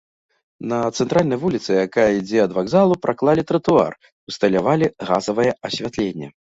На цэнтральнай вуліцы, якая ідзе ад вакзалу, праклалі тратуар, ўсталявалі газавае асвятленне.